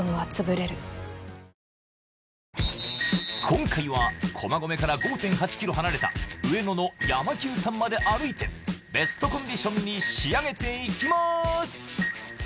今回は駒込から５．８ｋｍ離れた上野の山久さんまで歩いてベストコンディションに仕上げていきます